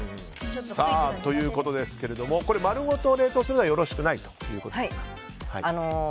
ということですが丸ごと冷凍するのはよろしくないということですか。